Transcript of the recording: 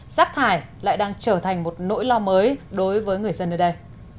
rác thải lại đang trở thành một nỗi lo mới đối với người dân ở đây